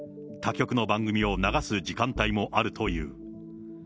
他局の番組を流す時間帯もあるという。